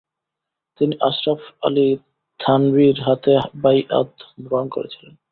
তিনি আশরাফ আলী থানভীর হাতে বাইআত গ্রহণ করেছিলেন।